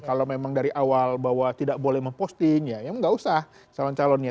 kalau memang dari awal bahwa tidak boleh memposting ya nggak usah calon calonnya